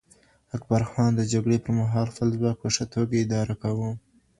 اکبرخان د جګړې پر مهال خپل ځواک په ښه توګه اداره کاوه.